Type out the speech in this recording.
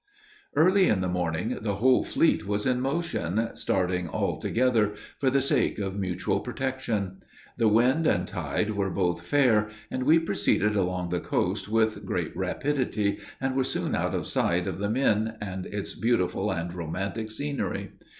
Early in the morning, the whole fleet was in motion, starting all together, for the sake of mutual protection. The wind and tide were both fair, and we proceeded along the coast with great rapidity, and were soon out of sight of the Min and its beautiful and romantic scenery.